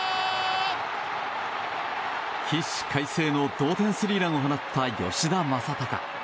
起死回生の同点スリーランを放った、吉田正尚。